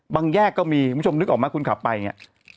บางแยกก็มีคุณผู้ชมนึกออกมั้ยคุณขับไปอย่างเนี้ย